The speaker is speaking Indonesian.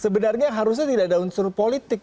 sebenarnya harusnya tidak ada unsur politik